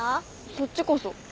そっちこそ。